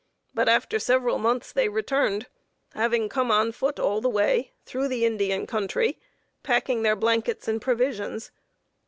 But, after several months, they returned, having come on foot all the way, through the Indian country, packing their blankets and provisions.